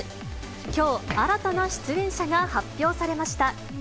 きょう、新たな出演者が発表されました。